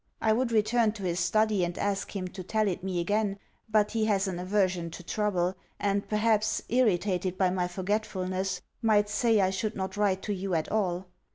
I would return to his study and ask him to tell it me again; but he has an aversion to trouble, and perhaps, irritated by my forgetfulness, might say, I should not write to you at all.